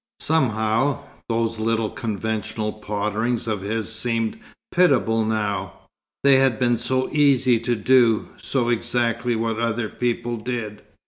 Somehow, those little conventional potterings of his seemed pitiable now, they had been so easy to do, so exactly what other people did.